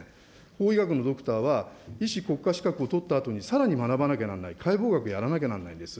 法医学のドクターは、医師国家資格を取ったあとにさらに学ばなきゃならない、解剖学やらなきゃなんないんです。